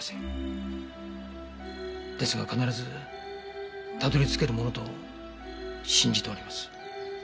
ですが必ずたどり着けるものと信じております。